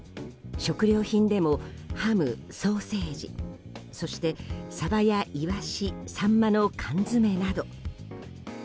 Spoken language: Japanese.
食料品でもハム・ソーセージそして、サバやイワシサンマの缶詰など。